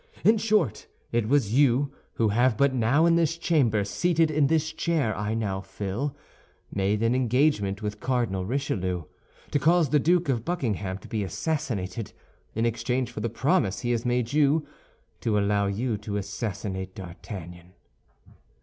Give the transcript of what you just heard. In short, it was you who have but now in this chamber, seated in this chair I now fill, made an engagement with Cardinal Richelieu to cause the Duke of Buckingham to be assassinated, in exchange for the promise he has made you to allow you to assassinate D'Artagnan."